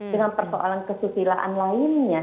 dengan persoalan kesusilaan lainnya